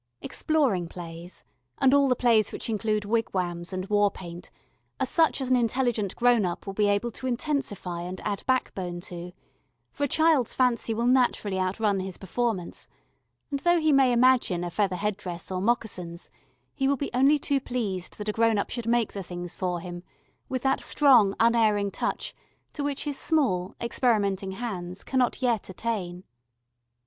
Exploring plays and all the plays which include wigwams and war paint are such as an intelligent grown up will be able to intensify and add backbone to for a child's fancy will naturally outrun his performance, and though he may imagine a feather head dress or moccasins, he will be only too pleased that a grown up should make the things for him with that strong, unerring touch to which his small experimenting hands cannot yet attain.